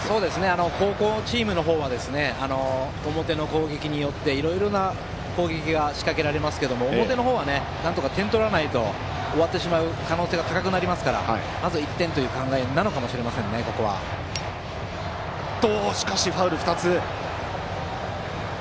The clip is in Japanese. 後攻のチームの方は表の攻撃によっていろいろな攻撃が仕掛けられますが、表の方はなんとか点を取らないと終わってしまう可能性が高くなりますからまず１点しかし、ファウル２つ。